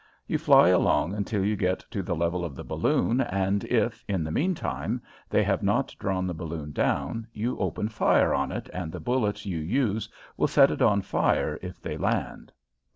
You fly along until you get to the level of the balloon, and if, in the mean time, they have not drawn the balloon down, you open fire on it and the bullets you use will set it on fire if they land.